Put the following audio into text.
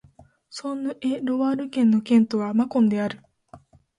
ソーヌ＝エ＝ロワール県の県都はマコンである